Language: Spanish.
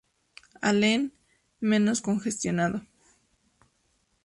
Allen, menos congestionado.